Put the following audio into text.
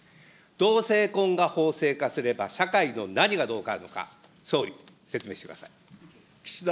同性婚が法制化すれば、社会の何がどう変わるのか、総理、説明し岸田